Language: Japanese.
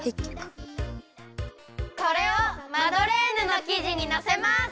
これをマドレーヌのきじにのせます！